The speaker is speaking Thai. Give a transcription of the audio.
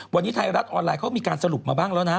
วันนี้ไทยรัฐออนไลน์เขามีการสรุปมาบ้างแล้วนะ